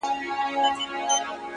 د شاعرۍ ياري كړم،